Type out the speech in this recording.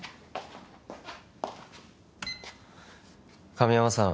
神山さん